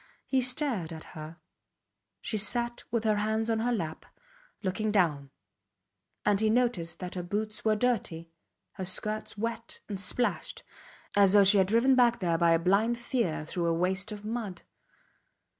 He stared at her. She sat with her hands on her lap, looking down; and he noticed that her boots were dirty, her skirts wet and splashed, as though she had been driven back there by a blind fear through a waste of mud.